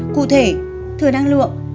cụ thể thừa năng lượng